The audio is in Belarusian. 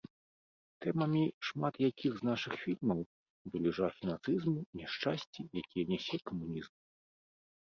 Тэмамі шмат якіх з нашых фільмаў былі жахі нацызму, няшчасці, якія нясе камунізм.